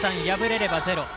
敗れれば０。